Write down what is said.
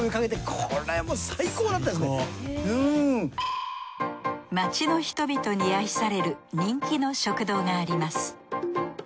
これもう街の人々に愛される人気の食堂があります。